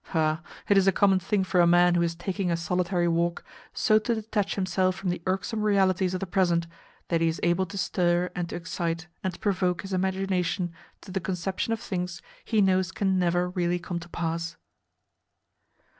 Ah, it is a common thing for a man who is taking a solitary walk so to detach himself from the irksome realities of the present that he is able to stir and to excite and to provoke his imagination to the conception of things he knows can never really come to pass!